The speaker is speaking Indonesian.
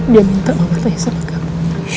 dia minta aku tanya sama kamu